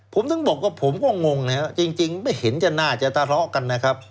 ผมถึงบอกว่าผมก็งงนะครับจริงไม่เห็นจะน่าจะทะเลาะกันนะครับ